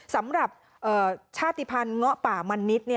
สำหรับชาติภัณฑ์เงาะป่ามันนิด